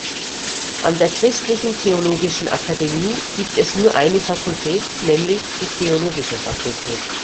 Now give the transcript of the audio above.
An der Christlichen Theologischen Akademie gibt es nur eine Fakultät, nämlich die Theologische Fakultät.